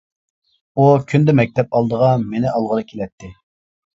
ئۇ كۈندە مەكتەپ ئالدىغا مېنى ئالغىلى كېلەتتى.